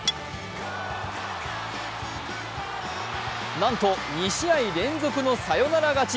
なんと２試合連続のサヨナラ勝ち。